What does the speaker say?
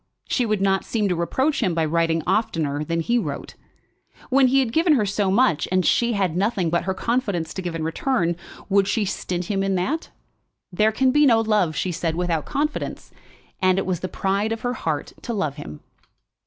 She would not seem to reproach him by writing oftener than he wrote. When he had given her so much, and she had nothing but her confidence to give in return, would she stint him in that? There can be no love, she said, without confidence, and it was the pride of her heart to love him.